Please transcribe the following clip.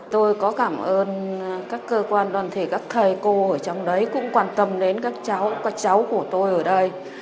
tôi có cảm ơn các cơ quan đoàn thể các thầy cô ở trong đấy cũng quan tâm đến các cháu của tôi ở đây